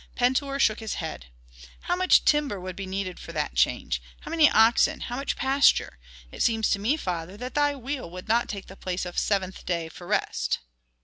Pentuer shook his head. "How much timber would be needed for that change! How many oxen, how much pasture. It seems to me, father, that thy wheel would not take the place of the seventh day for rest."